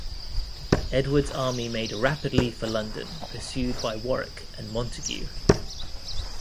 Edward's army made rapidly for London, pursued by Warwick and Montagu.